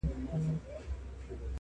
چي یې لاستی زما له ځان څخه جوړیږي-